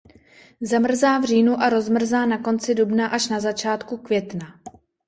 Zamrzá v říjnu a rozmrzá na konci dubna až na začátku května.